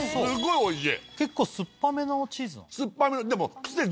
おいしい？